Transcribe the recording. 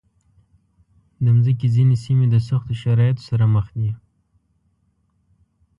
د مځکې ځینې سیمې د سختو شرایطو سره مخ دي.